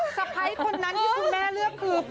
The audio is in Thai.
สะพ้ายคนนั้นที่คุณแม่เลือกคือ